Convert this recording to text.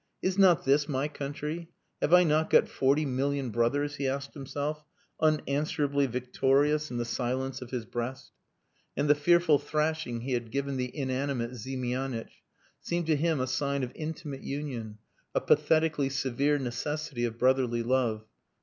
"Is not this my country? Have I not got forty million brothers?" he asked himself, unanswerably victorious in the silence of his breast. And the fearful thrashing he had given the inanimate Ziemianitch seemed to him a sign of intimate union, a pathetically severe necessity of brotherly love.